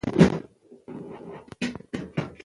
په افغانستان کې د ښتې د اړتیاوو پوره کولو لپاره اقدامات کېږي.